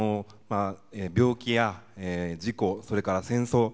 病気や事故、それから戦争。